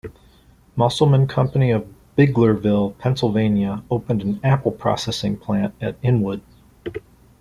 Musselman Company of Biglerville, Pennsylvania, opened an apple processing plant at Inwood.